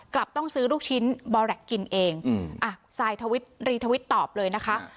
กลับต้องซื้อลูกชิ้นบอแรกกินเองอืมอ่ะทวิตตอบเลยนะคะ